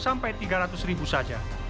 sampai tiga ratus ribu saja